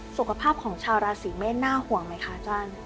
สุขภาพของชาวราศีเมษน่าห่วงไหมคะอาจารย์